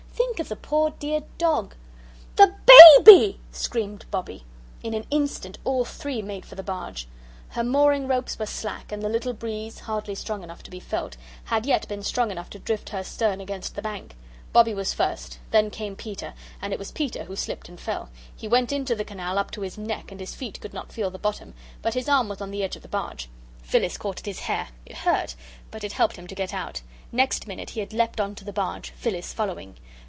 "Think of the poor dear dog." "The BABY!" screamed Bobbie. In an instant all three made for the barge. Her mooring ropes were slack, and the little breeze, hardly strong enough to be felt, had yet been strong enough to drift her stern against the bank. Bobbie was first then came Peter, and it was Peter who slipped and fell. He went into the canal up to his neck, and his feet could not feel the bottom, but his arm was on the edge of the barge. Phyllis caught at his hair. It hurt, but it helped him to get out. Next minute he had leaped on to the barge, Phyllis following.